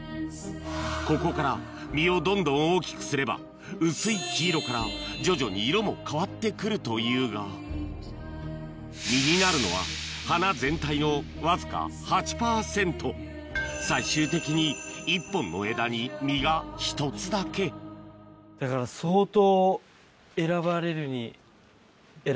ここから実をどんどん大きくすれば薄い黄色から徐々に色も変わってくるというが最終的に１本の枝に実が１つだけだから相当。